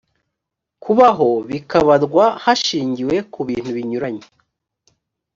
kubaho bikabarwa hashingiwe ku bintu binyuranye